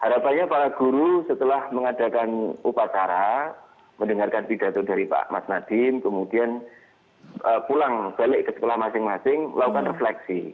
harapannya para guru setelah mengadakan upacara mendengarkan pidato dari pak mas nadiem kemudian pulang balik ke sekolah masing masing lakukan refleksi